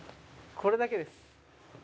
これだけです。